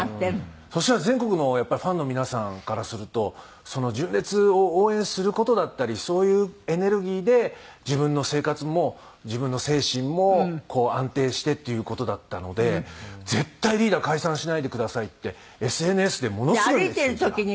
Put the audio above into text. そしたら全国のやっぱりファンの皆さんからするとその純烈を応援する事だったりそういうエネルギーで自分の生活も自分の精神もこう安定してっていう事だったので「絶対リーダー解散しないでください」ってＳＮＳでものすごいメッセージが。